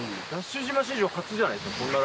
ＤＡＳＨ島史上初じゃないですか